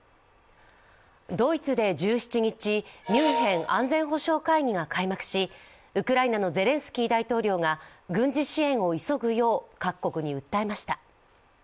ドイツで１７日、ミュンヘン安全保障会議が開幕しウクライナのゼレンスキー大統領が軍事支援を急ぐよう各国に訴えました。